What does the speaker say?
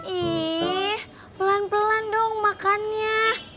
ih pelan pelan dong makannya